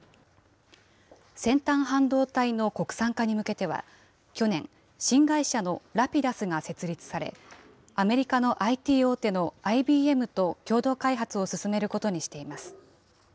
先端半導体の国産化に向けては、去年、新会社のＲａｐｉｄｕｓが設立され、アメリカのＩＴ大手のＩＢＭと共同開発を進めることにしています。